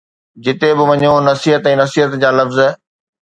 جتي به وڃو، نصيحت ۽ نصيحت جا لفظ.